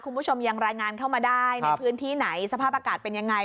คุณผู้ชมยังรายงานเข้ามาได้ในพื้นที่ไหนสภาพอากาศเป็นยังไง